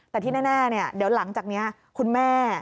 แต่ที่แน่เดี๋ยวหลังจากนี้คุณแม่